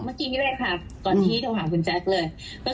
เมื่อกี้นี้เลยค่ะก่อนที่โทรหาคุณแจ๊คเลย